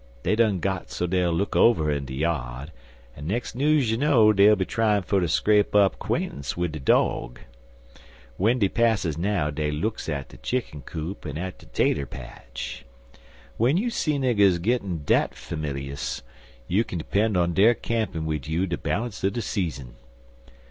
Dey done got so dey'll look over in de yard, an' nex' news you know dey'll be tryin' fer ter scrape up 'quaintence wid de dog. W'en dey passes now dey looks at de chicken coop an' at der tater patch. W'en you see niggers gittin' dat familious, you kin 'pen' on dere campin' wid you de ballunce er de season.